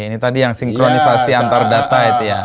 ini tadi yang sinkronisasi antar data itu ya